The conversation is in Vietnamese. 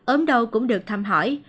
ốm đâu cũng được thăm hỏi